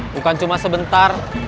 bukan cuma sebentar